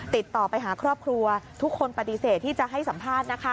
ติดต่อไปหาครอบครัวทุกคนปฏิเสธที่จะให้สัมภาษณ์นะคะ